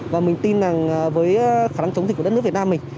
và mình tin rằng với khả năng chống dịch của đất nước việt nam mình